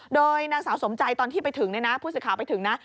โดยนางสาวสมใจตอนที่ไปถึงเนี่ยนะผู้สื่อข่าวไปถึงนะ